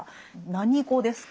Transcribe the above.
何語ですか？